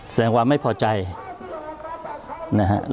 แสดงว่าไม่พอใจนะครับ